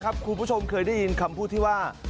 คุณผู้ชมเคยได้ยินคำพูดที่ว่า